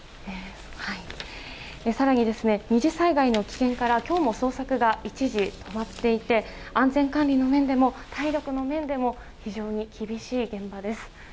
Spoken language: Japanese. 更に、２次災害の危険から今日も捜索が一時終わっていて安全管理の面でも体力の面でも非常に厳しい現場です。